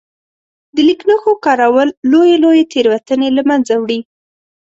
د لیک نښو کارول لويې لويې تېروتنې له منځه وړي.